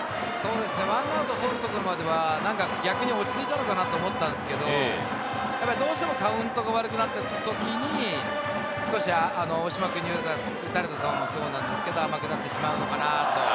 １アウトを取るところまでは、逆に落ち着いたかなと思ったんですけど、どうしてもカウントが悪くなってくる時に少し大島君に打たれた球もそうですが、甘くなるのかなと。